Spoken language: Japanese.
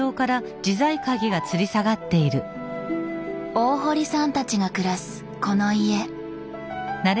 大堀さんたちが暮らすこの家。